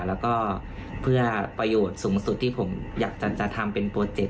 แล้วก็เพื่อประโยชน์สูงสุดที่ผมอยากจะทำเป็นโปรเจค